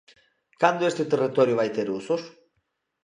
¿Cando este territorio vai ter usos?